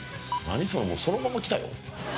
何そのそのまま来たよ。